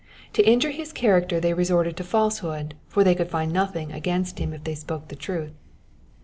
To injure his character they resorted to falsehood, for they could find nothing against him if they spoke the truth.